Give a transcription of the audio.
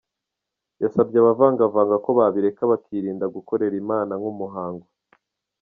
Yasabye abavangavanga ko babireka bakirinda gukorera Imana nk'umuhango.